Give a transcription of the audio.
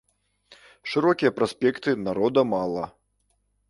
Шырокія праспекты, народа мала.